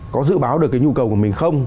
có dự báo được cái nhu cầu của mình không